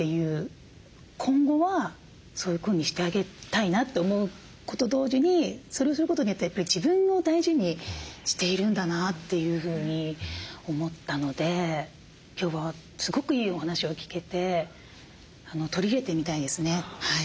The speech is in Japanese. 今後はそういうふうにしてあげたいなと思うことと同時にそれをすることによってやっぱり自分を大事にしているんだなというふうに思ったので今日はすごくいいお話を聞けて取り入れてみたいですね。